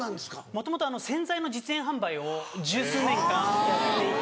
もともと洗剤の実演販売を１０数年間やっていて。